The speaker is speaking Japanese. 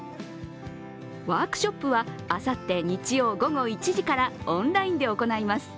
ワークショップはあさって日曜午後１時からオンラインで行います。